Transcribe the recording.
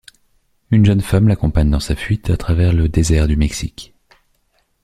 Une jeune femme l'accompagne dans sa fuite à travers le désert du Mexique.